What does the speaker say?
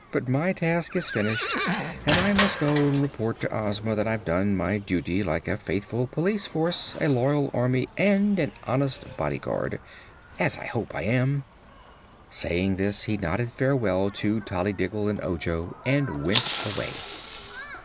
"But my task is finished and I must go and report to Ozma that I've done my duty like a faithful Police Force, a loyal Army and an honest Body Guard as I hope I am." Saying this, he nodded farewell to Tollydiggle and Ojo and went away.